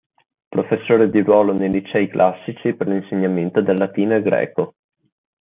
Professore di ruolo nei licei classici per l'insegnamento del latino e greco.